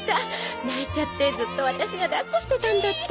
泣いちゃってずっとワタシが抱っこしてたんだった。